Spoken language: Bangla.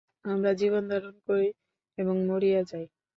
আমরা জীবনধারণ করি এবং মরিয়া যাই।